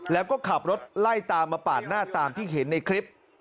แล้วก็ขับรถไล่ตามมาปาดหน้าตามที่เห็นในคลิป